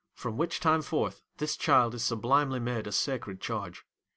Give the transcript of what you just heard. From which time forth, this child is sublimely made a sacred charge.